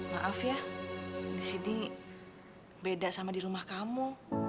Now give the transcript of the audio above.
maaf ya disini beda sama di rumah kamu